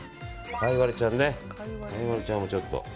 カイワレちゃんをちょっと。